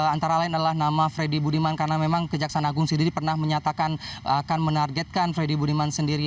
antara lain adalah nama freddy budiman karena memang kejaksaan agung sendiri pernah menyatakan akan menargetkan freddy budiman sendiri